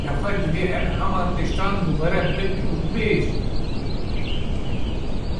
Nexwe, divê em heman tiştan dubare bikin û bêjin